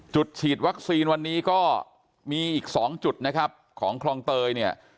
จุดฉีดวัคซีนวันนี้ก็มีอีก๒จุดนะครับของคลองเตยเนี่ย